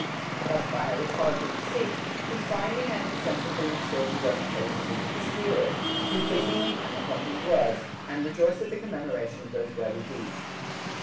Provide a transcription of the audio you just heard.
Thus by a rhetorical deceit, he finely and insensibly instils his own praises into his hearers, who pleasingly hang upon his words, and rejoice at the commemoration of those worthy deeds.